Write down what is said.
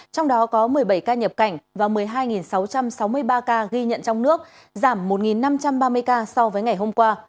trong đó có một mươi bảy ca nhập cảnh và một mươi hai sáu trăm sáu mươi ba ca ghi nhận trong nước giảm một năm trăm ba mươi ca so với ngày hôm qua